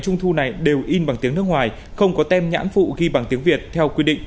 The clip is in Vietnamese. trung thu này đều in bằng tiếng nước ngoài không có tem nhãn phụ ghi bằng tiếng việt theo quy định